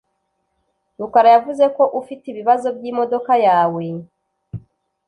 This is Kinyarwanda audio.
Rukara yavuze ko ufite ibibazo byimodoka yawe.